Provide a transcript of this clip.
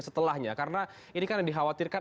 setelahnya karena ini kan yang dikhawatirkan